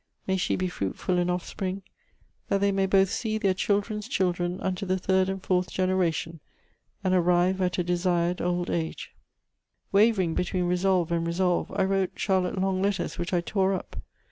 May she be fruitful in offspring ... that they may both see their children's children unto the third and fourth generation, and arrive at a desired old age." Wavering between resolve and resolve, I wrote Charlotte long letters which I tore up.